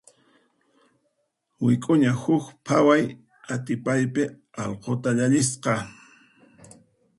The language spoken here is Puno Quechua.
Wik'uña huk phaway atipaypi allquta llallisqa.